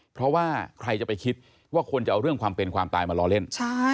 เพราะว่าใครจะไปคิดว่าคนจะเอาเรื่องความเป็นความตายมาล้อเล่น